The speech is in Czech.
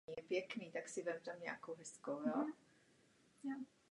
Existují různé kombinace tvrdého a měkkého materiálu.